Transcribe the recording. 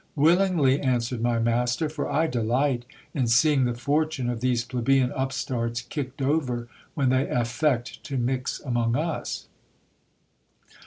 Willingly, answered my mas ter, for I delight in seeing the fortune of these plebeian upstarts kicked over, when they affect to mix among us.